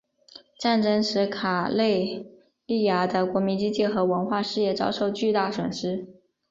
战争使卡累利阿的国民经济和文化事业遭受巨大损失。